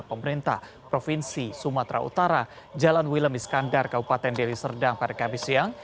pemerintah provinsi sumatera utara jalan wilam iskandar kabupaten diri serdang parikabi siang